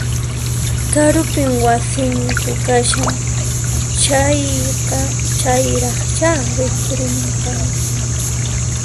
Karupin wasinku kashan, chayqa chayraqchá rikurimunqaku